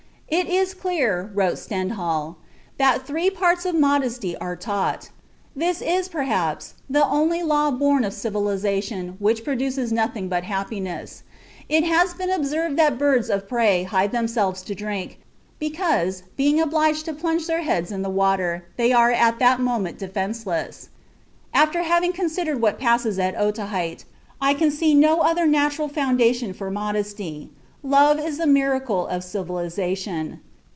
"It is clear," wrote Stendhal, "that three parts of modesty are taught. This is, perhaps, the only law born of civilization which produces nothing but happiness. It has been observed that birds of prey hide themselves to drink, because, being obliged to plunge their heads in the water, they are at that moment defenceless. After having considered what passes at Otaheite, I can see no other natural foundation for modesty. Love is the miracle of civilization.